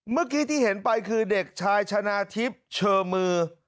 เมื่อกี้ที่เห็นไปคือเด็กชายชนะทิพย์เชอมือ